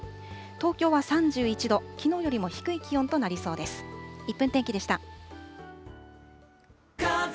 東京は３１度、きのうよりも低い気温となりそうです。